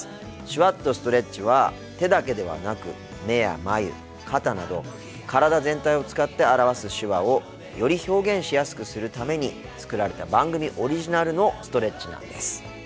「手話っとストレッチ」は手だけではなく目や眉肩など体全体を使って表す手話をより表現しやすくするために作られた番組オリジナルのストレッチなんです。